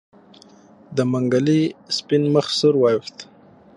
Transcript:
د منګلي سپين مخ سور واوښت.